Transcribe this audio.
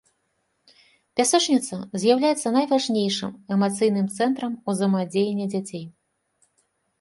Пясочніца з'яўляецца найважнейшым эмацыйным цэнтрам узаемадзеяння дзяцей.